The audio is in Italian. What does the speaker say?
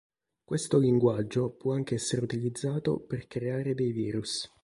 Questo linguaggio può anche essere utilizzato per creare dei virus.